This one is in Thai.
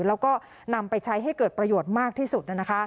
แล้วก็นำไปใช้ให้เกิดประโยชน์มากที่สุด